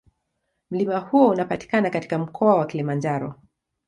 Mlima huo unapatikana katika Mkoa wa Kilimanjaro.